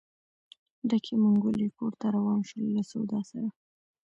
ډکې منګولې کور ته روان شول له سودا سره.